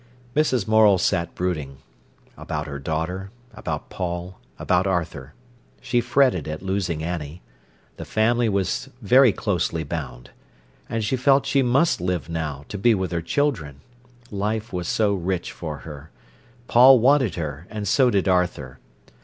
Mrs. Morel sat brooding—about her daughter, about Paul, about Arthur. She fretted at losing Annie. The family was very closely bound. And she felt she must live now, to be with her children. Life was so rich for her. Paul wanted her, and so did Arthur.